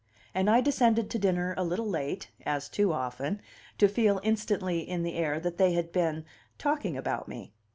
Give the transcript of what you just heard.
And I descended to dinner a little late (as too often) to feel instantly in the air that they had been talking about me.